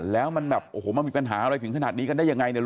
แล้วมันแบบโอ้โหมันมีปัญหาอะไรถึงขนาดนี้กันได้ยังไงเนี่ย